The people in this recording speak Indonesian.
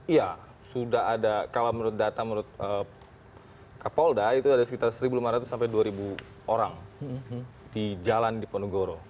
iya sudah ada kalau menurut data menurut kapolda itu ada sekitar satu lima ratus sampai dua orang di jalan diponegoro